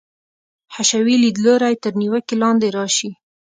حشوي لیدلوری تر نیوکې لاندې راشي.